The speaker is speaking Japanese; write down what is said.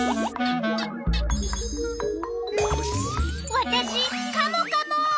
わたしカモカモ。